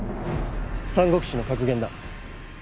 『三国志』の格言だ。